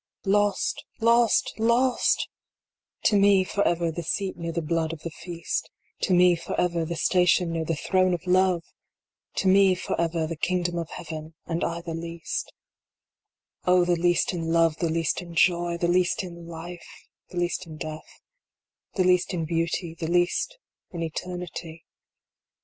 TOST lost lost ! To me, for ever, the seat near the blood of the feast To me, for ever, the station near the Throne of Love 1 To me, for ever, the Kingdom of Heaven and I the least Oh, the least in love The least in joy The least in life The least in death The least in beauty The least in eternity.